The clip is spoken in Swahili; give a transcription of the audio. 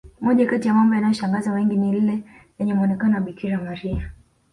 moja Kati ya mambo yanaloshangaza wengi ni lile lenye muonekano wa bikira maria